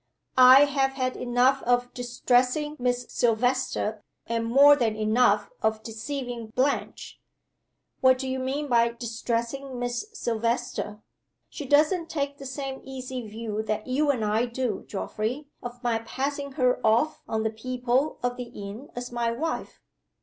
"I have had enough of distressing Miss Silvester, and more than enough of deceiving Blanche." "What do you mean by 'distressing Miss Silvester?'" "She doesn't take the same easy view that you and I do, Geoffrey, of my passing her off on the people of the inn as my wife."